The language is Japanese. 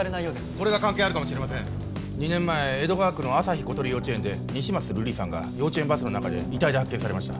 これが関係あるかもしれません２年前江戸川区の朝日ことり幼稚園で西松瑠璃さんが幼稚園バスの中で遺体で発見されました